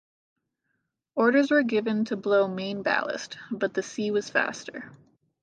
Orders were given to blow main ballast, but the sea was faster.